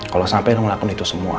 kalau sampai harus melakukan itu semua